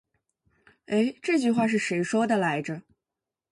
欸，这句话是谁说的来着。